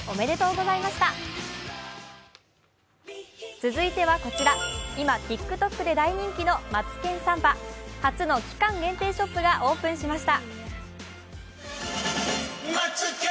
続いてはこちら、今ＴｉｋＴｏｋで大人気の「マツケンサンバ」初の期間限定ショップがオープンしました。